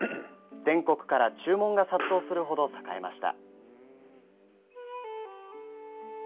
全国から注文が殺到するほど栄えました。